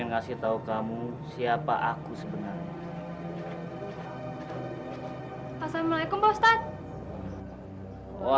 tapi kamu harus balik lagi ke sana